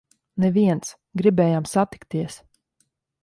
Neviens! Gribējām satikties!